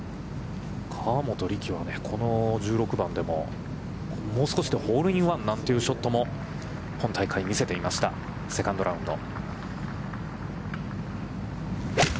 河本力はこの１６番でも、もう少しでホールインワンなんてショットも本大会見せていました、セカンドラウンド。